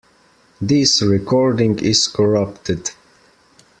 This recording is corrupted.